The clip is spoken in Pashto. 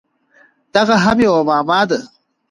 دغه هم یوه معما ده!